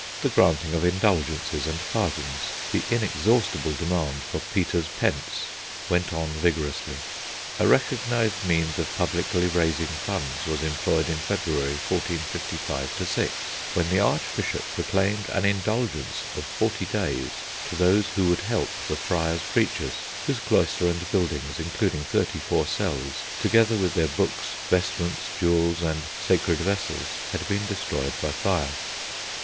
The granting of indulgences and pardons, the inexhaustible demand for Peter's pence, went on vigorously. A recognised means of publicly raising funds was employed in February 1455 6, when the Archbishop proclaimed an indulgence of forty days to those who would help the Friars Preachers, whose cloister and buildings including 34 cells together with their books, vestments, jewels, and sacred vessels, had been destroyed by fire.